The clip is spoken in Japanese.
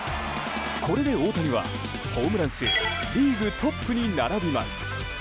これで大谷はホームラン数リーグトップに並びます。